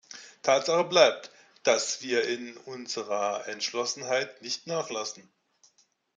Tatsache bleibt, dass wir in unserer Entschlossenheit nicht nachlassen.